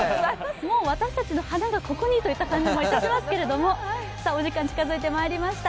私たちの花がここにという感じもいたしますけれども、お時間、近づいてまいりました。